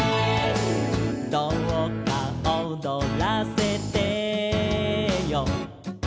「どうか踊らせてよ」